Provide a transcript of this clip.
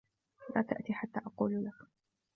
لا تأت حتى أقول لك.